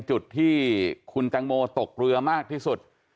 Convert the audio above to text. จุดที่คุณแตงโมตกเรือมากที่สุด